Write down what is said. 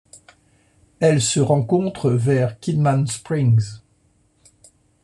Elle se rencontre vers Kidman Springs.